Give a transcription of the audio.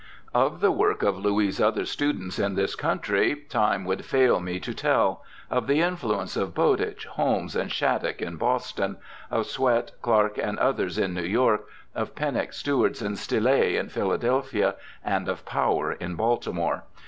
Of the work of Louis' other students in this country time would fail me to tell— of the influence of Bowditch, Holmes, and Shattuck in Boston, of Swett, Clark, and others in New York, of Pennock, Stewardson, Stille in Philadelphia, and of Power in Baltimore.